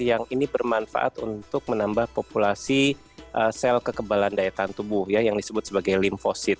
yang ini bermanfaat untuk menambah populasi sel kekebalan daya tahan tubuh yang disebut sebagai limfosit